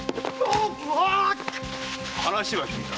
話は聞いた。